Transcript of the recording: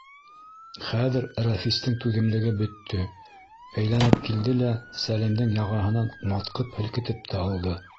Хәҙер Рәфистең түҙемлеге бөттө, әйләнеп килде лә, Сәлимдең яғаһынан матҡып һелкетеп тә алды.